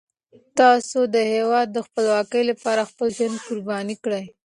تاسو د هیواد د خپلواکۍ لپاره خپل ژوند قربان کړئ.